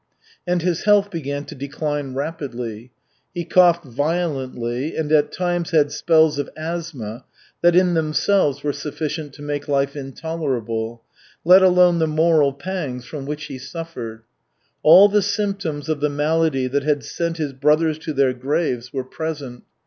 And his health began to decline rapidly. He coughed violently and at times had spells of asthma that in themselves were sufficient to make life intolerable, let alone the moral pangs from which he suffered. All the symptoms of the malady that had sent his brothers to their graves were present.